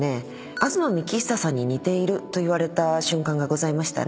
「東幹久さんに似ている」と言われた瞬間がございましたね。